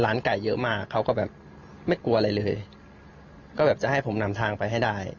ไก่เยอะมากเขาก็แบบไม่กลัวอะไรเลยก็แบบจะให้ผมนำทางไปให้ได้